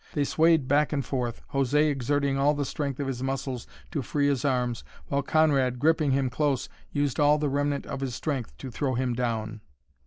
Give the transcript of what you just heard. They swayed back and forth, José exerting all the strength of his muscles to free his arms, while Conrad, gripping him close, used all the remnant of his strength to throw him down.